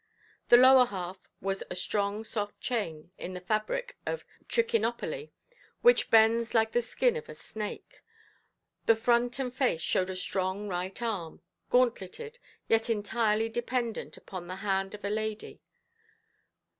The lower half was a strong soft chain of the fabric of Trichinopoli, which bends like the skin of a snake; the front and face showed a strong right arm, gauntleted, yet entirely dependent upon the hand of a lady.